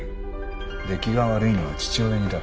出来が悪いのは父親似だ。